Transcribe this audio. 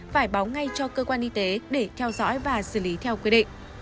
phải báo ngay cho cơ quan y tế để theo dõi và xử lý theo quy định